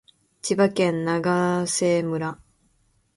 千葉県長生村